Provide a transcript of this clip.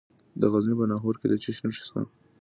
د غزني په ناهور کې د څه شي نښې شته؟